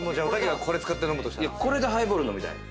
これでハイボール飲みたい。